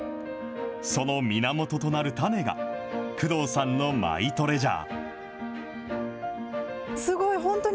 その源となる種が、工藤さんのマイトレジャー。